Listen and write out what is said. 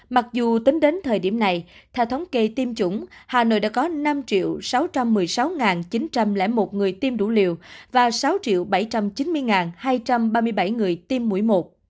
mặc dù tính đến thời điểm này theo thống kê tiêm chủng hà nội đã có năm sáu trăm một mươi sáu chín trăm linh một người tiêm đủ liều và sáu bảy trăm chín mươi hai trăm ba mươi bảy người tiêm mũi một